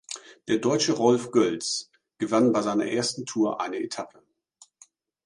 Der Deutsche Rolf Gölz gewann bei seiner ersten Tour eine Etappe.